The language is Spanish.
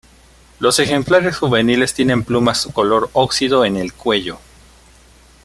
Los ejemplares juveniles tienen plumas color óxido en el cuello.